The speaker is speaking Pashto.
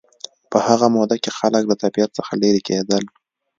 په هغه موده کې خلک له طبیعت څخه لېرې کېدل